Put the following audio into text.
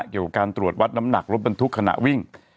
อยู่กับการตรวจวัดน้ำหนักรถบรรทุกขณะวิ่ง